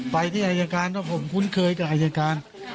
ไปที่อายการว่าผมคุ้นเคยกับอายการ